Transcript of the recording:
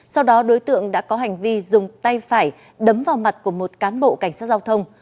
sau đó đối tượng đã có hành vi dùng tay phải đấm vào mặt của một cán bộ cảnh sát giao thông